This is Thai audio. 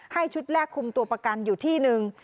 ชุดแรกคุมตัวประกันอยู่ที่หนึ่ง